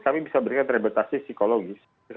kami bisa berikan rehabilitasi psikologis